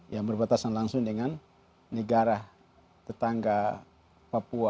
yang berbatasan langsung dengan negara tetangga papua